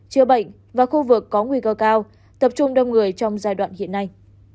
chữa bệnh và khu vực có nguy cơ cao tập trung đông người trong giai đoạn hiện nay